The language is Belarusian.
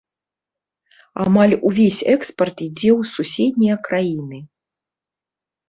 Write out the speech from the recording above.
Амаль увесь экспарт ідзе ў суседнія краіны.